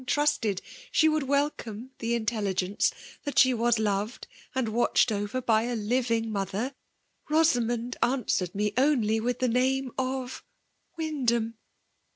trosted dta would wekome the inteUigeisce that ^m was loved and watched over by a living motherj «— Boaamond answered ine only with the name «f/ Wyndham.'